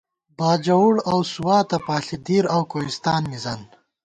باجَوُڑ اؤ سواتہ پاݪی، دیر اؤ کوہستان مِزان